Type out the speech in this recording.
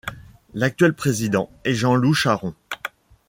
L'actuel président est Jean-Lou Charron.